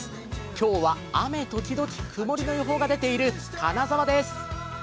今日は雨時々曇りの予報が出ている金沢です。